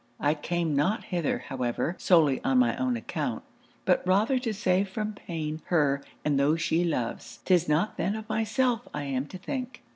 I came not hither, however, solely on my own account, but rather to save from pain, her and those she loves. 'Tis not then of myself I am to think.'